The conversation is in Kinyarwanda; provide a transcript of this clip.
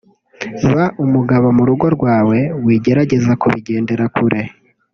ba umugabo mu rugo rwawe wigerageza kubigendera kure